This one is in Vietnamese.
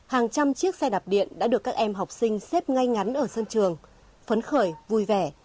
hàng trăm chiếc xe đạp điện đã được các em học sinh xếp ngay ngắn ở sân trường phấn khởi vui vẻ